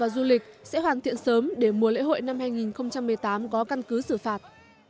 du lịch sẽ hoàn thiện sớm để mùa lễ hội năm hai nghìn một mươi tám có căn cứ xử phạt